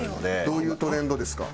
どういうトレンドですか？